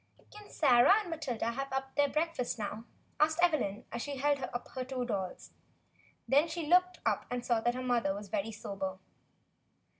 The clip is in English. "Can Sarah and Matilda have their breakfast now?" asked Evelyn, as she held up her two dolls. Then she looked up and saw that her mother was very sober.